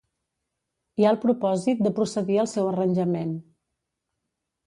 Hi ha el propòsit de procedir al seu arranjament.